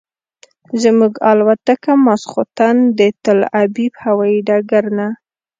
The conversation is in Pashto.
زموږ الوتکه ماسخوتن د تل ابیب هوایي ډګر نه.